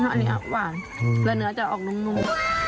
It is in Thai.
อันนี้หวานแล้วเนื้อจะออกนุ่ม